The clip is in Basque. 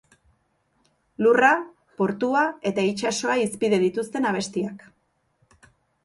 Lurra, portua etaitsasoa hizpide dituzten abestiak.